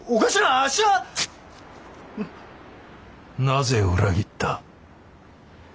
なぜ裏切った？